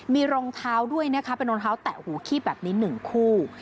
มีรองเท้าด้วยนะคะเป็นรองเท้าแตะหูคีบแบบนี้๑คู่